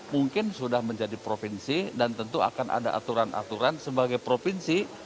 mungkin sudah menjadi provinsi dan tentu akan ada aturan aturan sebagai provinsi